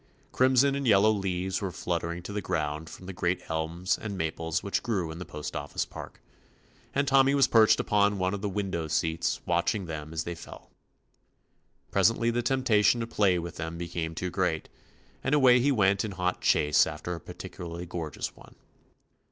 Crimson and yellow leaves were fluttering to the ground from the great elms and maples which grew in the postoffice park, and Tommy was perched upon one of the window seats watching them as they fell. Presently the temptation to play with them became too great, and away he went in hot chase after a par ticularly gorgeous one.